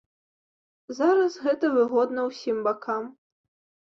Зараз гэта выгодна ўсім бакам.